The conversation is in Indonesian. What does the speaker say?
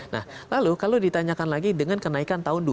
nah lalu kalau ditanyakan lagi dengan kenaikan tahun pemilu